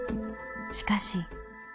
しかし。